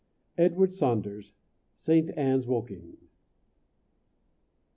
EDWARD SAUNDERS. ST. ANN'S, WOKING.